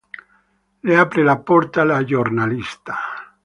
Le apre la porta la giornalista.